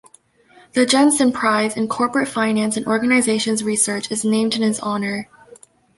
The Jensen Prize in corporate finance and organizations research is named in his honor.